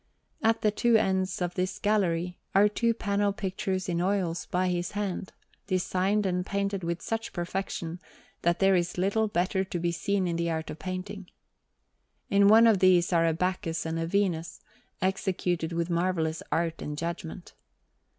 At the two ends of this gallery are two panel pictures in oils by his hand, designed and painted with such perfection, that there is little better to be seen in the art of painting. In one of these are a Bacchus and a Venus, executed with marvellous art and judgment.